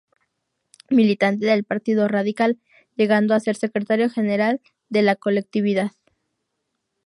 Militante del Partido Radical, llegando a ser secretario general de la colectividad.